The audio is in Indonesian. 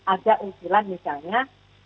ada ujilan misalnya